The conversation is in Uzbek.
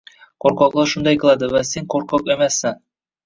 Qo’rqoqlar shunday qiladi va sen qo’rqoq emassan